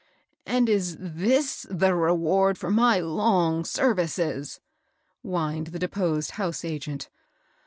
" And is this the reward of my long services ?" whined the deposed house agent.